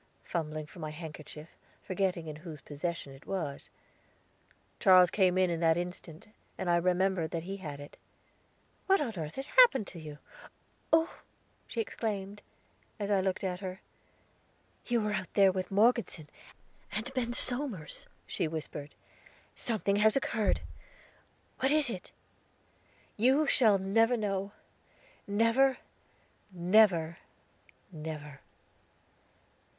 fumbling for my handkerchief, forgetting in whose possession it was. Charles came in at that instant, and I remembered that he had it. "What on earth has happened to you? Oh!" she exclaimed, as I looked at her. "You were out there with Morgeson and Ben Somers," she whispered; "something has occurred; what is it?" "You shall never know; never never never."